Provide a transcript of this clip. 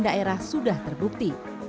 daerah sudah terbukti